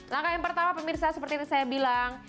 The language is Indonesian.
langkah yang pertama pak mirsa seperti yang saya bilang